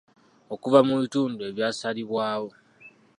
Okuva mu bitundu ebyasalibwawo.